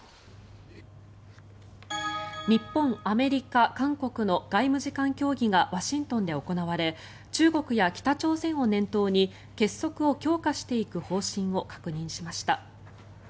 日本、アメリカ、韓国の外務次官協議がワシントンで行われ中国や北朝鮮を念頭に結束を強化していく方針を確認しました。